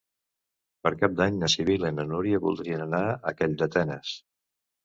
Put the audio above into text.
Per Cap d'Any na Sibil·la i na Núria voldrien anar a Calldetenes.